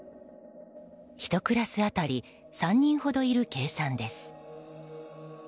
１クラス当たり３人ほどいる計算です。